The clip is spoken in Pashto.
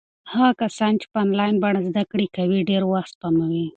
هغه کسان چې په انلاین بڼه زده کړې کوي ډېر وخت سپموي.